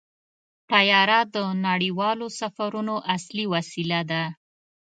طیاره د نړیوالو سفرونو اصلي وسیله ده.